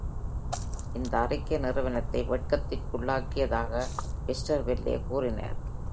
இந்த அறிக்கை நிறுவனத்தை "வெட்கத்திற்குள்ளாக்கியதாக" வெஸ்டர்வெல்லே கூறினார்.